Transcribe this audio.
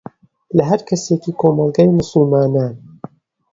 لە هەر کەسێکی کۆمەڵگەی موسڵمانان